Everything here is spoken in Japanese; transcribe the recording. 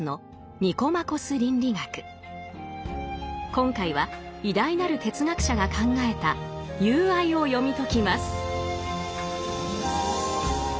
今回は偉大なる哲学者が考えた「友愛」を読み解きます。